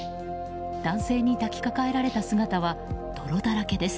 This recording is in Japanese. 男性に抱きかかえられた姿は泥だらけです。